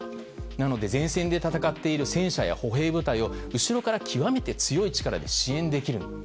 なので、前線で戦っている戦車や歩兵部隊を後ろから極めて強い力で支援できるんだと。